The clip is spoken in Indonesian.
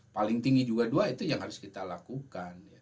paling tinggi juga dua itu yang harus kita lakukan